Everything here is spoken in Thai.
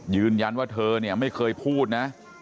ยืนยันว่าเธอเนี่ยไม่เคยพูดนะ